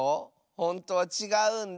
ほんとはちがうんだ。